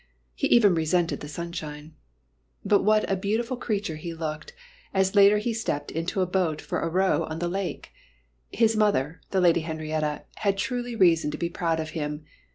He even resented the sunshine. But what a beautiful creature he looked, as later he stepped into a boat for a row on the lake! His mother, the Lady Henrietta, had truly reason to be proud of him.